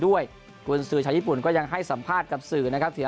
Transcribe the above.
ด้วยกวนสื่อชาวญี่ปุ่นก็ยังให้สัมภาษณ์กับสื่อนะครับถึง